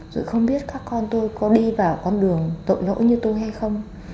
rồi không biết các con tôi có đi vào con đường tội lỗi như tôi hay không